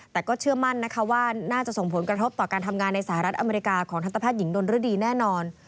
แต่ก็เชื่อมั่นนะคะว่าน่าจะส่งผลกระทบต่อการทำงานในสหรัฐอเมริกาของทันตแพทย์หญิงดนรดีแน่นอน